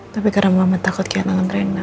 tapi karena mama takut kaya tangan rena